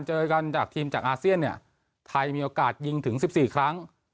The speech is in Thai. เจอกันจากทีมจากอาเซียนเนี่ยไทยมีโอกาสยิงถึง๑๔ครั้ง